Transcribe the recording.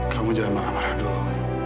kamu jangan marah marah dong